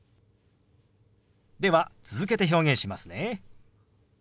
では続けて表現しますね。